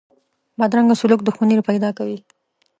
بدرنګه سلوک دښمني پیدا کوي